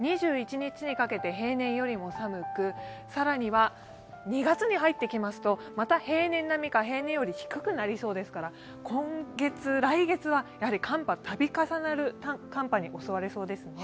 ２１日にかけて平年よりも寒く、更には２月に入ってきますと、また平年並みか平年より低くなりそうですから今月、来月は度重なる寒波に襲われそうです。